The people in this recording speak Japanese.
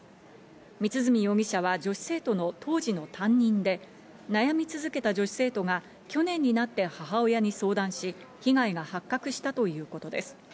光墨容疑者は女子生徒の当時の担任で、悩み続けた女子生徒が去年になって母親に相談し、被害が発覚したということです。